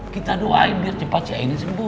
kita doain biar cepat saya ini sembuh